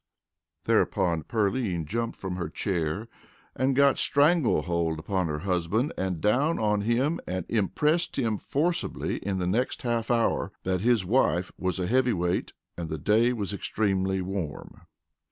Thereupon Pearline jumped from her chair, got strangle hold upon her husband, sat down on him, and impressed him forcibly in the next half hour that his wife was a heavyweight and the day was extremely warm.